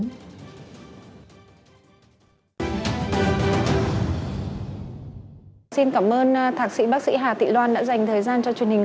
hãy đăng ký kênh để ủng hộ kênh của chúng mình nhé